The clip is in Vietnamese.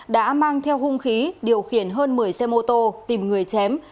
đã mang theo hung khí điều khiển hơn một mươi xe mô tô tìm người chém